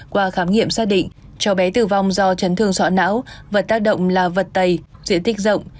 qua khám nghiệm xác định cháu bé tử vong do chấn thương sọ não vật tác động là vật tày diện tích rộng